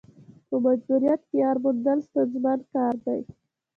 په مجبوریت کې یار موندل ستونزمن کار دی.